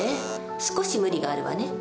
少し無理があるわね。